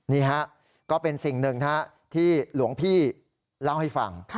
นี่ฮะก็เป็นสิ่งหนึ่งที่หลวงพี่เล่าให้ฟัง